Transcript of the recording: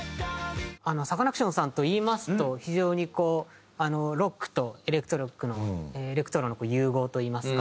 サカナクションさんといいますと非常にロックとエレクトロの融合といいますか。